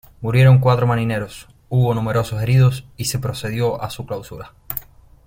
Murieron cuatro mineros, hubo numerosos heridos y se procedió a su clausura.